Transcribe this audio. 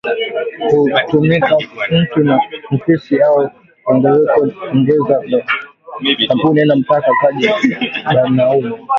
Ku tumika mu ma ofisi ao ku ongoza ma kampuni aina paka kaji ya banaume